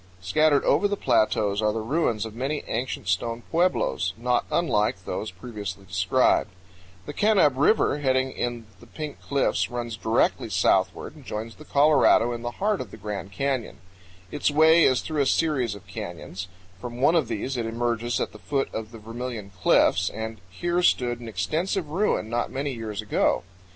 Scattered over the plateaus are the ruins of many ancient stone pueblos, not unlike those previously described. The Kanab River heading in the Pink Cliffs runs directly southward powell canyons 67.jpg PERSPECTIVE VIEW OP ROUND HOUSE STRUCTURE OF LAVA. and joins the Colorado in the heart of the Grand Canyon. Its way is through a series of canyons. From one of these it emerges at the foot of the Vermilion Cliffs, and here stood an extensive ruin not many years ago.